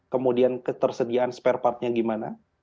kemudian ketersediaan spare partnya gimana